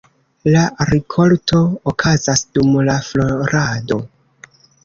La rikolto okazas dum la florado.